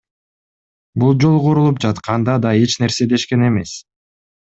Бул жол курулуп жатканда да эч нерсе дешкен эмес.